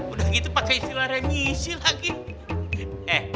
udah gitu pakai istilah remisiaudible